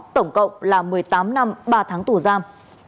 tổng cộng là một mươi tám năm ba tháng tù giam